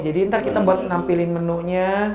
jadi ntar kita buat nampilin menu nya